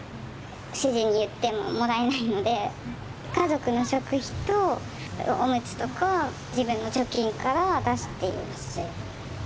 主人に言ってももらえないので家族の食費とおむつとか自分の貯金から出しています。